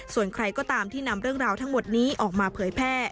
ส่วนใครก็ตามที่นำเรื่องราวทั้งหมดนี้ออกมาเผยแพร่